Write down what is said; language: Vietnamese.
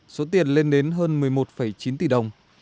số tiền lên đến hơn một mươi một chín tỷ đồng